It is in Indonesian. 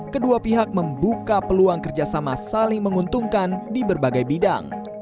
kedua pihak membuka peluang kerjasama saling menguntungkan di berbagai bidang